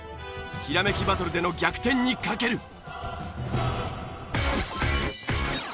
ひらめきバトルでの逆転にかける！